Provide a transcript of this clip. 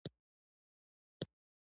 کروندګر د خاورې قدر کوي